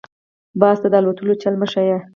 - باز ته دالوتلو چل مه ښیه.